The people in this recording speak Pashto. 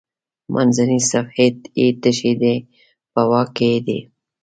منځنۍ صفحې یې تشې دي په واک کې دي.